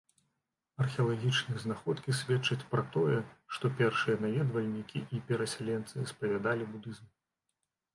Археалагічныя знаходкі сведчаць пра тое, што першыя наведвальнікі і перасяленцы спавядалі будызм.